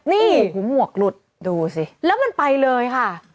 นี่โอ้โหหมวกหลุดดูสิแล้วมันไปเลยค่ะ